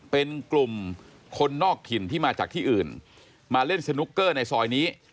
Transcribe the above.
เป็นกลุ่มคนนอกถิ่นที่มาจากที่อื่นมาเล่นสนุกเกอร์ในซอยนี้